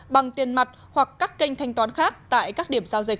bằng tiền mặt hoặc các kênh thanh toán khác tại các điểm giao dịch